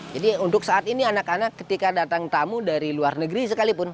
jadi untuk saat ini anak anak ketika datang tamu dari luar negeri sekalipun